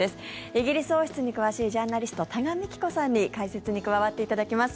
イギリス王室に詳しいジャーナリスト多賀幹子さんに解説に加わっていただきます。